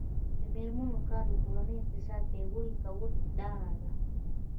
د میرمنو کار د کورنۍ اقتصاد پیاوړی کولو لاره ده.